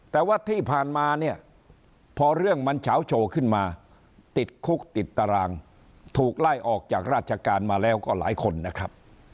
แต่ว่าที่ผ่านมาเนี่ยพอเรื่องมันเฉาโชว์ขึ้นมาติดคุกติดตารางถูกไล่ออกจากราชการมาแล้วก็หลายคนนะครับ